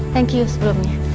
thank you sebelumnya